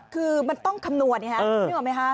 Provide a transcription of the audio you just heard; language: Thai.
คือมันต้องคำนวณไงครับนี่บอกไหมคะ